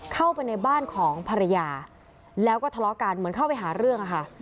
เข้าไปในบ้านของภรรยาแล้วก็ทะเลาะกันเหมือนเข้าไปหาเรื่องค่ะ